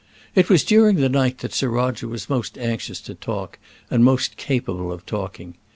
It was during the night that Sir Roger was most anxious to talk, and most capable of talking.